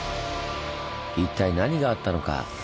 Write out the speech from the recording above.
一体何があったのか？